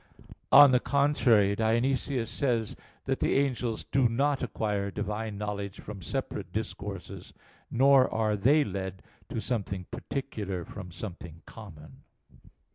On the contrary, Dionysius says (Div. Nom. vii) that the "angels do not acquire Divine knowledge from separate discourses, nor are they led to something particular from something common."